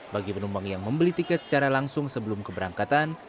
bagi penumpang yang membeli tiket secara langsung sebelum keberangkatan